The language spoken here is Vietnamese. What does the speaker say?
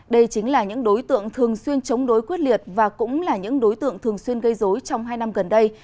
đây chính là những đối tượng thường xuyên chống đối quyết liệt và cũng là những đối tượng thường xuyên gây dối trong hai năm gần đây